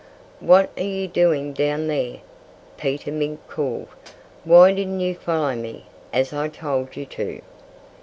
"What are you doing down there?" Peter Mink called. "Why didn't you follow me, as I told you to?"